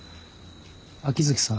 秋月さん